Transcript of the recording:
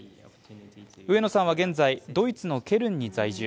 上野さんは現在、ドイツのケルンに在住。